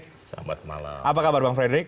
selamat malam apa kabar bang frederick